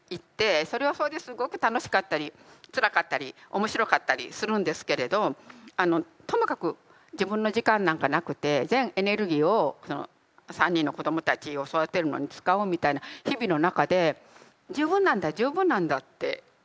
それはそれですごく楽しかったりつらかったり面白かったりするんですけれどあのともかく自分の時間なんかなくて全エネルギーをその３人の子どもたちを育てるのに使おうみたいな日々の中で十分なんだ十分なんだってこう。